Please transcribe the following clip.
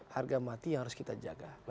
harga mati yang harus kita jaga